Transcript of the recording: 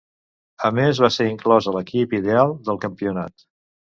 A més, va ser inclòs a l'equip ideal del campionat.